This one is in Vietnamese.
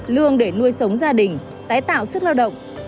lương để nuôi sống gia đình tái tạo sức lao động